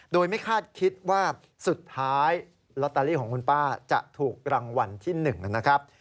โดยไม่คาดคิดว่าสุดท้ายลอตเตอรี่ของคุณป้าจะถูกรางวัลที่๑นะครับ